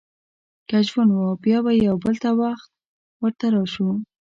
که ژوند و، بیا به یو بل وخت ورته راشو.